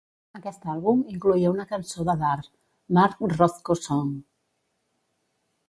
Aquest àlbum incloïa una cançó de Dar: Mark Rothko Song.